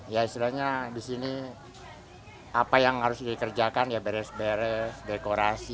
ya istilahnya di sini apa yang harus dikerjakan ya beres beres dekorasi